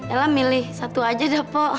ella milih satu aja dah po